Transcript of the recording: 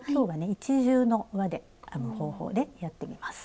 一重のわで編む方法でやってみます。